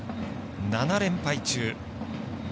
７連敗中。